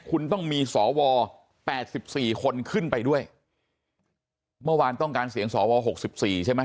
คุณต้องมีสอวอ๘๔คนขึ้นไปด้วยเมื่อวานต้องการเสียงสอวอ๖๔ใช่ไหม